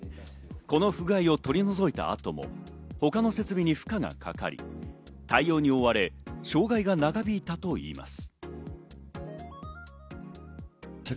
この不具合は取り除いた後も他の設備に負荷がかかり、対応に追われ、障害が長引いたといいます。